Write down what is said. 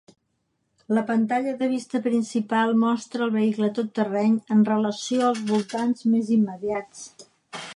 La pantalla de vista principal mostra el vehicle tot terreny en relació als voltants més immediats.